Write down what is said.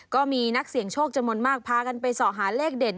ก็มีนักเสี่ยงโชคจำนวนมากพากันไปส่อหาเลขเด่น